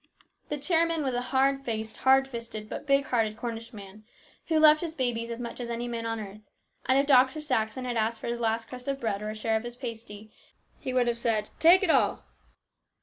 The chairman was a hard faced, hard fisted, but big hearted Cornish man, who loved his babies as much as any man on earth, and if Dr. Saxon had asked for his last crust of bread or a share of his pasty, he would have said, " Take it all."